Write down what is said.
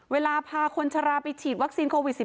เวลาพาคนชะลาไปฉีดวัคซีนโควิด๑๙